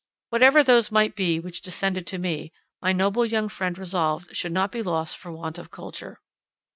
Whatever those might be which descended to me, my noble young friend resolved should not be lost for want of culture.